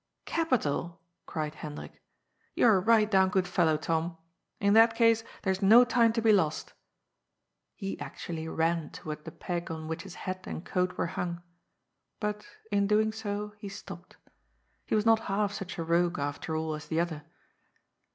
"Capital!" cried Hendrik, "You're a right down good fellow, Tom. In that case there's no time to be lost." He actually ran toward the peg on which his hat and coat were hung. But, in doing so, he stopped. He was not half such a rogue, after all, as the other.